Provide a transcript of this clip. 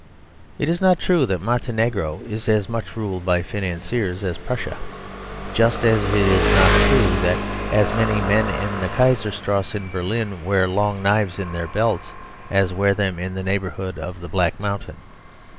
It is not true that Montenegro is as much ruled by financiers as Prussia, just as it is not true that as many men in the Kaiserstrasse, in Berlin, wear long knives in their belts as wear them in the neighbourhood of the Black Mountain.